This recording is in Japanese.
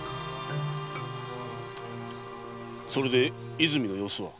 それで和泉の様子は？